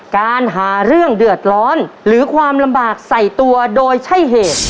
การหาเรื่องเดือดร้อนหรือความลำบากใส่ตัวโดยใช่เหตุ